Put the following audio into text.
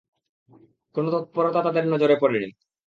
কোন তৎপরতা তাদের নজরে পড়েনি।